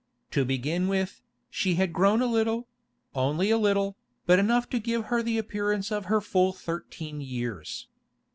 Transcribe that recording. To begin with, she had grown a little; only a little, but enough to give her the appearance of her full thirteen years.